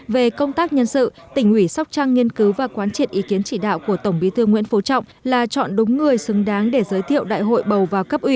về công tác nhân sự tỉnh ủy sóc trăng nghiên cứu và quán triệt ý kiến chỉ đạo của tổng bí thư nguyễn phú trọng là chọn đúng người xứng đáng để giới thiệu đại hội bầu vào cấp ủy